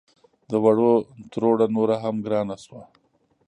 د وړو تروړه نوره هم ګرانه شوه